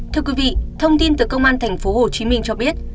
thưa quý vị thông tin từ công an tp hcm cho biết